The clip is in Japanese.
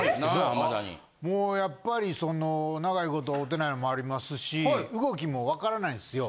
もうやっぱりその長いこと会うてないのもありますし動きもわからないんですよ。